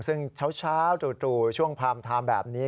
ซึ่งเช้าตรู่ช่วงพามไทม์แบบนี้